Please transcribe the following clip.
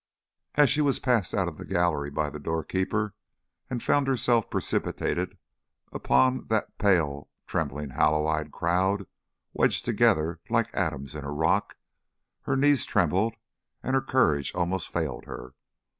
As she was passed out of the gallery by the doorkeeper, and found herself precipitated upon that pale trembling hollow eyed crowd wedged together like atoms in a rock, her knees trembled and her courage almost failed her.